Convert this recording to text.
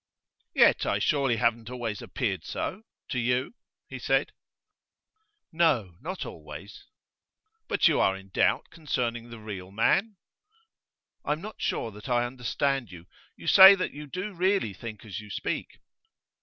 'Yet I surely haven't always appeared so to you?' he said. 'No, not always.' 'But you are in doubt concerning the real man?' 'I'm not sure that I understand you. You say that you do really think as you speak.